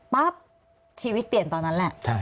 ชีวิตเปลี่ยนตอนนั้นแหละ